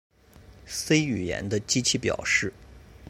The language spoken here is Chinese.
C 语言的机器表示